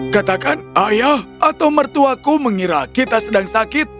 katakan ayah atau mertuaku mengira kita sedang sakit